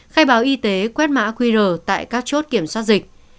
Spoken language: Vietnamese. khai báo y tế quét mã qr tại các chốt kiểm soát dịch